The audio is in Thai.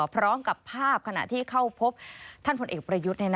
พร้อมกับภาพขณะที่เข้าพบท่านพลเอกประยุทธ์